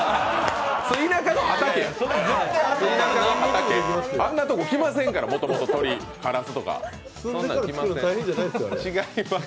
田舎の畑や、あんなとこ来ませんから、鳥とかカラス。